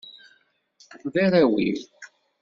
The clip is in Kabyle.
D arraw-iw.